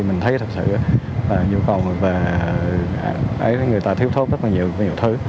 mình thấy thật sự là nhu cầu và người ta thiếu thốt rất là nhiều thứ